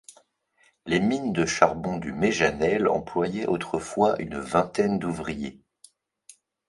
Les mines de charbon du Méjanel employaient autrefois une vingtaine d’ouvriers.